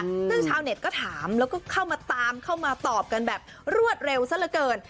ซึ่งชาวเน็ตก็ถามแล้วก็เข้ามาตามเข้ามาตอบกันแบบรวดเร็วซะละเกิน